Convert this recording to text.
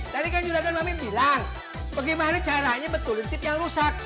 tadi kan juragan mami bilang bagaimana caranya betulin tip yang rusak